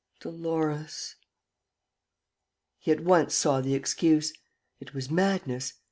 ... Dolores! ..." He at once saw the excuse: it was madness.